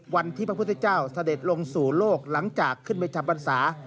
พระพุทธเจ้าเสด็จลงสู่โลกหลังจากขึ้นไปทำบรรษา